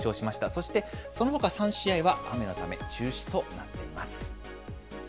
そして、そのほか３試合は、雨のため中止となっています。